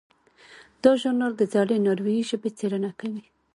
دا ژورنال د زړې ناروېي ژبې څیړنه کوي.